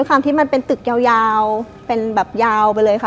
ความที่มันเป็นตึกยาวเป็นแบบยาวไปเลยค่ะ